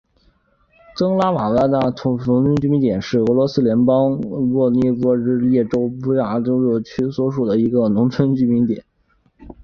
普拉塔瓦农村居民点是俄罗斯联邦沃罗涅日州列皮约夫卡区所属的一个农村居民点。